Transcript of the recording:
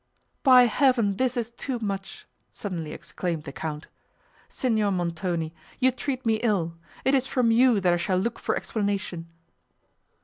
"By Heaven this is too much!" suddenly exclaimed the Count; "Signor Montoni, you treat me ill; it is from you that I shall look for explanation."